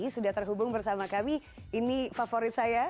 sudah terhubung bersama kami ini favorit saya